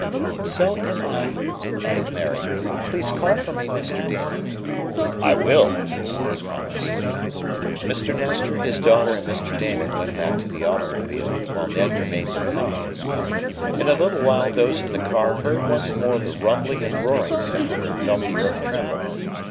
"So am I," added Mary. "Please call for me, Mr. Damon." "I will," he promised. Mr. Nestor, his daughter, and Mr. Damon went back to the automobile, while Ned remained with Tom. In a little while those in the car heard once more the rumbling and roaring sound and felt the earth tremble.